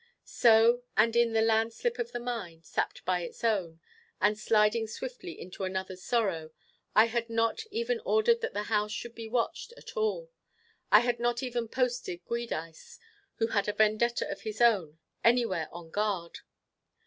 So, and in the landslip of the mind, sapped by its own, and sliding swiftly into another's sorrow, I had not even ordered that the house should be watched at all; I had not even posted Giudice, who had a vendetta of his own, anywhere on guard.